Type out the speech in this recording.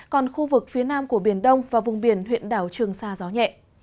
còn khu vực phía nam của biển đông và vùng biển huyện đảo trường sa gió nhẹ